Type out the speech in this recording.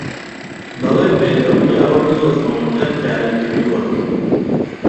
بەڵێن بێت ئەو پیاوە بدۆزمەوە کە ئەم کارەی کردووە.